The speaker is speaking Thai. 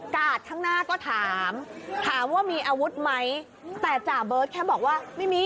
กาดข้างหน้าก็ถามถามว่ามีอาวุธไหม